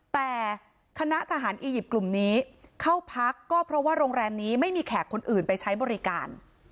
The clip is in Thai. แต่คณะทหารอียิปต์กลุ่มนี้เข้าพักก็เพราะว่าโรงแรมนี้ไม่มีแขกคนอื่นไปใช้บริการ